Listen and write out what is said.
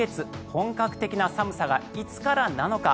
本格的な寒さがいつからなのか。